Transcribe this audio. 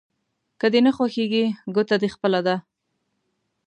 که دې نه خوښېږي ګوته دې خپله ده.